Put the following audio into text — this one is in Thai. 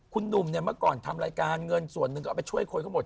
คุณหนุ่มเนี่ยเมื่อก่อนทำรายการเงินส่วนหนึ่งก็เอาไปช่วยคนเขาหมด